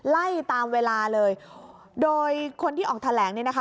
ไล่ตามเวลาเลยโดยคนที่ออกแถลงเนี่ยนะคะ